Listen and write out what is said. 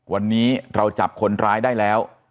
วันนี้เราจับคนร้ายได้แล้ว